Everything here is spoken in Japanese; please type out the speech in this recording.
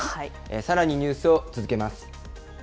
さらにニュースを続けます。